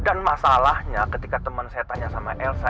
dan masalahnya ketika temen saya tanya sama elsa